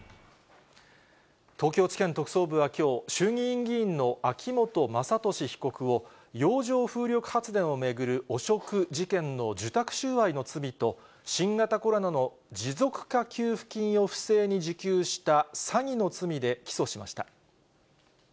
東京地検特捜部はきょう、衆議院議員の秋本真利被告を、洋上風力発電を巡る汚職事件の受託収賄の罪と、新型コロナの持続化給付金を不正に受給した詐欺の罪で起訴しました。